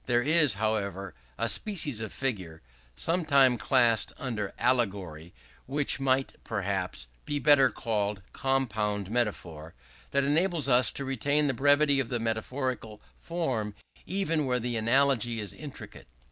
There is, however, a species of figure, sometimes classed under Allegory, but which might, perhaps, be better called Compound Metaphor, that enables us to retain the brevity of the metaphorical form even where the analogy is intricate.